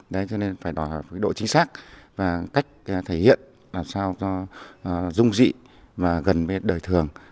đấy cho nên phải đòi hỏi độ chính xác và cách thể hiện làm sao cho rung dị và gần với đời thường